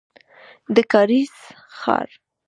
د کارېز ښار.